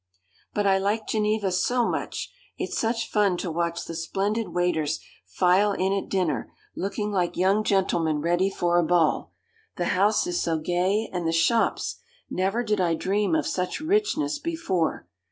'But I like Geneva so much. It's such fun to watch the splendid waiters file in at dinner, looking like young gentlemen ready for a ball; the house is so gay, and the shops! never did I dream of such richness before.